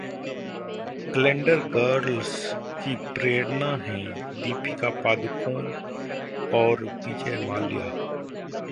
calendar girls की प्रेरणा हैं दीपिका पादुकोण और विजय माल्या